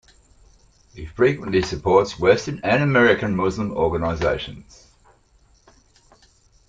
He frequently supports Western and American Muslim organizations.